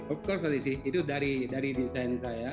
of course desi itu dari desain saya